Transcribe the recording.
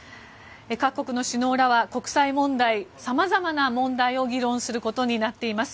各国の首脳らは、国際問題さまざまな問題を議論することになっています。